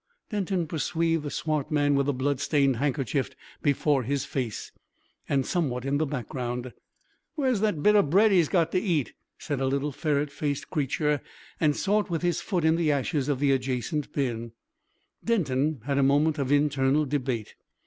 Denton perceived the swart man with a blood stained handkerchief before his face, and somewhat in the background. "Where's that bit of bread he's got to eat?" said a little ferret faced creature; and sought with his foot in the ashes of the adjacent bin. Denton had a moment of internal debate.